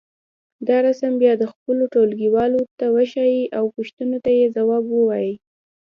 دا رسم بیا خپلو ټولګيوالو ته وښیئ او پوښتنو ته یې ځواب ووایئ.